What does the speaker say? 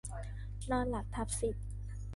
นอนหลับทับสิทธิ์